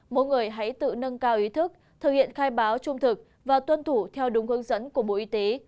mỗi người hãy tự nâng cao ý thức thực hiện khai báo trung thực và tuân thủ theo đúng hướng dẫn của bộ y tế